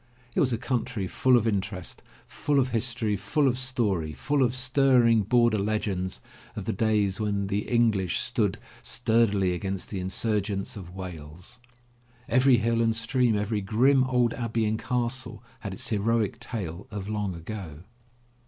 It was a country full of interest, full of history, full of story, full of stirring border legends of the days when the English stood stur dily against the insurgents of Wales. Every hill and stream, every grim old abbey and castle had its heroic tale of long ago.